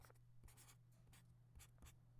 বাবুর কথা ভাবছিলাম।